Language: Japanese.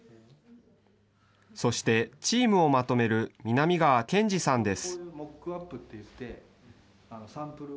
そしてチームをまとめる南川憲二さんです。